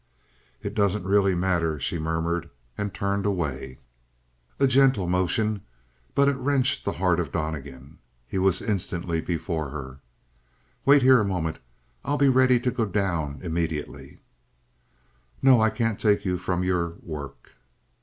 "It doesn't really matter," she murmured and turned away. A gentle motion, but it wrenched the heart of Donnegan. He was instantly before her. "Wait here a moment. I'll be ready to go down immediately." "No. I can't take you from your work."